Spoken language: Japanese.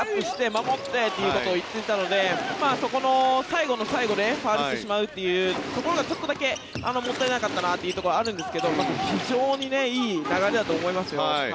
守って！ということを言っていたのでそこの最後の最後でファウルしてしまうというところがちょっとだけもったいなかったなというところはあるんですが非常にいい流れだと思いますよ。